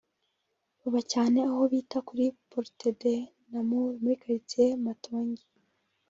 baba cyane aho bita kuri “Porte de Namur” muri quartier Matonge